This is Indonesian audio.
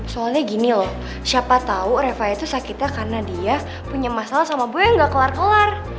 soalnya gini loh siapa tahu reva itu sakitnya karena dia punya masalah sama buaya yang gak kelar kelar